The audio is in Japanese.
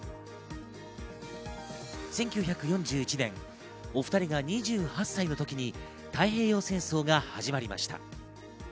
１９４１年、お２人が２８歳の時に太平洋戦争が始まりました。